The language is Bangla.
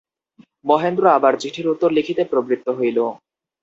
মহেন্দ্র আবার চিঠির উত্তর লিখিতে প্রবৃত্ত হইল।